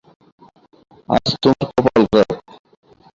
আজ তোমার কপাল খারাপ।